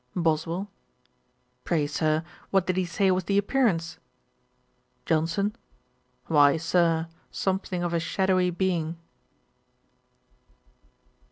BOSWELL. 'Pray, Sir, what did he say was the appearance?' JOHNSON. 'Why, Sir, something of a shadowy being.'